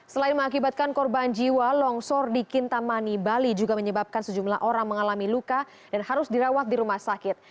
selain mengakibatkan korban jiwa longsor di kintamani bali juga menyebabkan sejumlah orang mengalami luka dan harus dirawat di rumah sakit